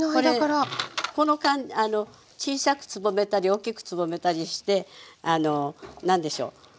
これこの小さくつぼめたり大きくつぼめたりしてあの何でしょう。